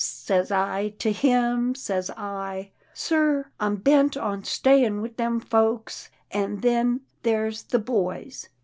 " Says I to him, says I, ' Sir, I'm bent on stayin' with them folks, an' then there's the boys.'